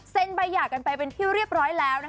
ใบหย่ากันไปเป็นที่เรียบร้อยแล้ว